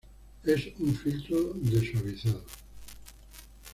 Es un filtro de suavizado.